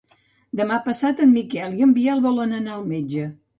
Demà passat en Miquel i en Biel volen anar al metge.